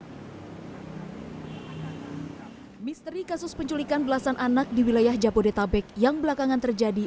hai misteri kasus penculikan belasan anak di wilayah jabodetabek yang belakangan terjadi